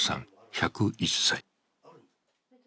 １０１歳。